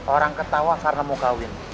orang ketawa karena mau kawin